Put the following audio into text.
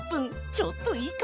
ちょっといいか？